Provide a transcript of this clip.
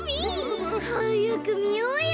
はやくみようよ！